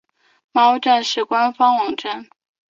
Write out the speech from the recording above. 猫战士官方网站